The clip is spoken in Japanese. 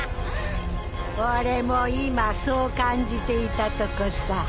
俺も今そう感じていたとこさ。